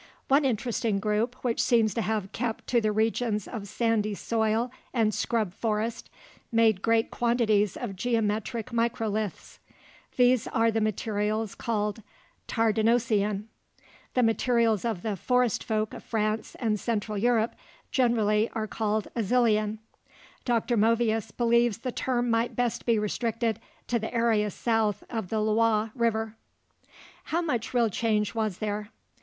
One interesting group, which seems to have kept to the regions of sandy soil and scrub forest, made great quantities of geometric microliths. These are the materials called Tardenoisian. The materials of the "Forest folk" of France and central Europe generally are called Azilian; Dr. Movius believes the term might best be restricted to the area south of the Loire River. HOW MUCH REAL CHANGE WAS THERE?